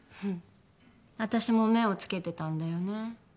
私も目をつけてたんだよね